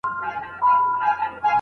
ایا ستا او استاد مزاج مو سره جوړ دی؟